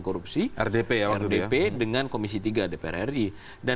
korupsi rdp dengan komisi tiga dpr ri dan